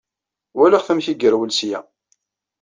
Walaɣ-t amek ay yerwel seg-a.